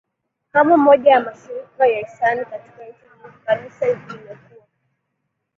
kama moja ya mashirika ya hisani Katika nchi nyingi Kanisa limekuwa